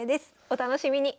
お楽しみに。